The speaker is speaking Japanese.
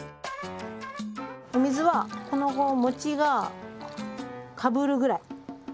お水はこの餅がかぶるぐらい。